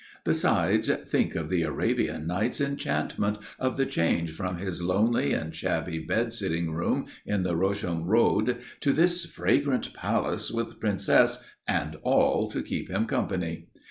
Besides, think of the Arabian Nights' enchantment of the change from his lonely and shabby bed sitting room in the Rusholme Road to this fragrant palace with princess and all to keep him company!